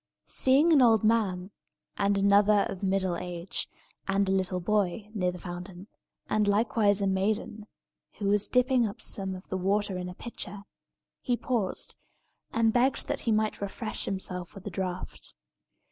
Seeing an old man, and another of middle age, and a little boy, near the fountain, and likewise a maiden, who was dipping up some of the water in a pitcher, he paused, and begged that he might refresh himself with a draught.